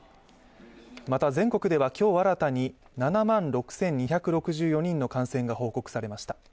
また全国では今日新たに７万６２６４人の感染が報告されました。